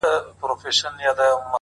هندي لبانو دې سور اور د دوزخ ماته راوړ”